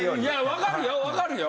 分かるよ分かるよ。